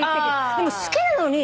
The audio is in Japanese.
でも好きなのに！